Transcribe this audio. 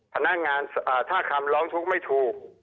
ถ้าคำร้องทุกข์ไม่ถูก